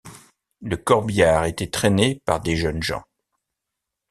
Le corbillard était traîné par des jeunes gens.